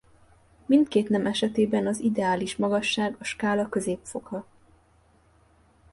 Mindkét nem esetében az ideális magasság a skála középfoka.